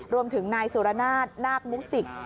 รวมถึงนายสุรนาศนาคมุสิก